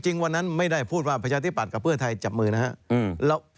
วันนั้นไม่ได้พูดว่าประชาธิบัตย์กับเพื่อไทยจับมือนะครับ